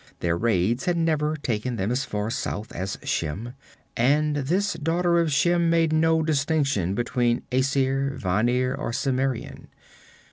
Their raids had never taken them as far south as Shem, and this daughter of Shem made no distinction between Æsir, Vanir or Cimmerian.